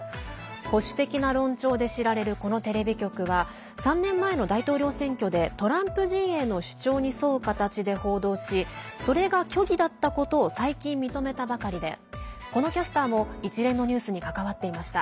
保守的な論調で知られるこのテレビ局は３年前の大統領選挙でトランプ陣営の主張に沿う形で報道しそれが虚偽だったことを最近、認めたばかりでこのキャスターも、一連のニュースに関わっていました。